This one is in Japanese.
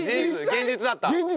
現実だった。